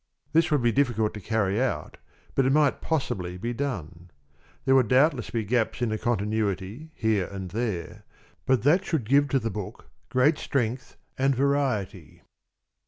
This would be difficult to carry out, but it might possibly be done. There would doubtless be gaps in the continuity here and there, but that should give to the book great strength and variety.